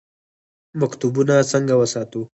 مکتبونه څنګه وساتو؟